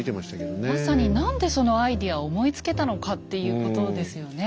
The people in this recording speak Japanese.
まさに何でそのアイデアを思いつけたのかっていうことですよね。